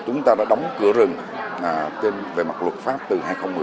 chúng ta đã đóng cửa rừng về mặt luật pháp từ hai nghìn một mươi